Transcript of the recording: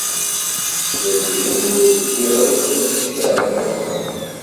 Ula d yiwen ur as-d-yeɣri i Lḥusin n Caɛban u Ṛemḍan.